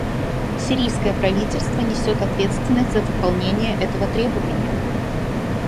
Сирийское правительство несет ответственность за выполнение этого требования.